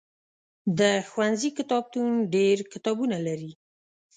د ښوونځي کتابتون ډېر کتابونه لري.